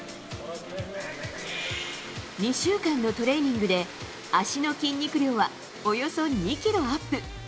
２週間のトレーニングで足の筋肉量はおよそ２ｋｇアップ。